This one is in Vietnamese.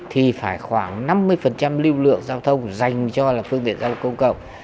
thì phải khoảng năm mươi lưu lượng giao thông dành cho phương tiện giao thông công cộng